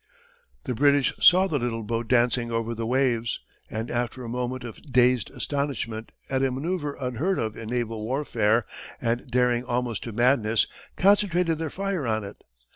The British saw the little boat dancing over the waves, and after a moment of dazed astonishment at a manoeuvre unheard of in naval warfare and daring almost to madness, concentrated their fire on it.